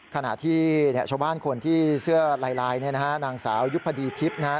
ขณะที่ชาวบ้านคนที่เสื้อลายนางสาวยุภดีทิพย์นะฮะ